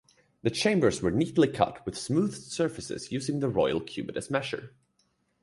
The chambers were neatly cut with smoothed surfaces using the royal cubit as measure.